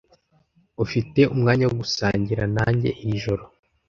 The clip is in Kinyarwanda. Ufite umwanya wo gusangira nanjye iri joro?